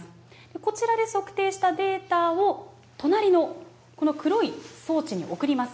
こちらで測定したデータを隣のこの黒い装置に送ります。